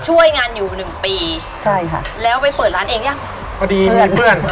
ช่วยงานอยู่หนึ่งปีใช่ค่ะแล้วไปเปิดร้านเองยังพอดีเพื่อนเพื่อน